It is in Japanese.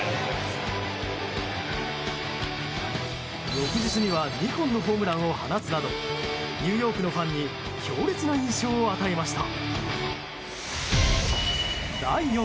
翌日には２本のホームランを放つなどニューヨークのファンに強烈な印象を与えました。